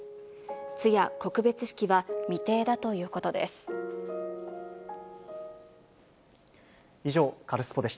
通夜・告別式は未定だということです。